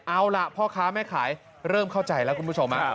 เอาล่ะพ่อค้าแม่ขายเริ่มเข้าใจแล้วคุณผู้ชม